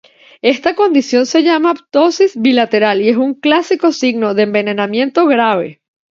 Esta condición se llama ptosis bilateral y es un clásico signo de envenenamiento grave.